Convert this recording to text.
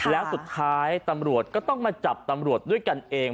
แล้วสุดท้ายตำรวจก็ต้องมาจับตำรวจด้วยกันเอง